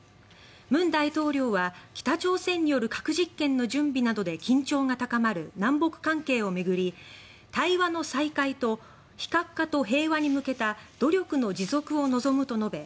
文大統領は北朝鮮による核実験の準備などで緊張が高まる南北関係を巡り対話の再開と非核化と平和に向けた努力の持続を望むと述べ